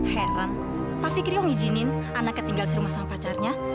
heran pak fikri mau ngijinin anaknya tinggal serumah sama pacarnya